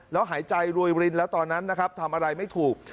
แล้วหายใจรวยรินแล้วตอนนั้นนะครับทำอะไรไม่ถูก